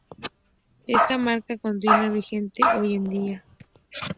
Esta marca continua vigente hoy en día.